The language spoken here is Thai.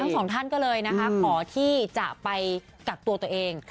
ทั้งสองท่านก็เลยนะคะขอที่จะไปกักตัวตัวเอง